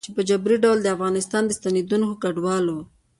چې په جبري ډول افغانستان ته د ستنېدونکو کډوالو